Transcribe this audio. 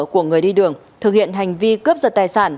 của người đi đường thực hiện hành vi cướp giật tài sản